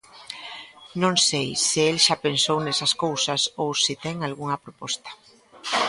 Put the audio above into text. Non sei se el xa pensou nesas cousas ou se ten algunha proposta.